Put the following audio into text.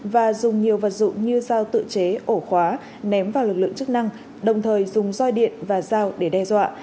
và dùng nhiều vật dụng như dao tự chế ổ khóa ném vào lực lượng chức năng đồng thời dùng roi điện và dao để đe dọa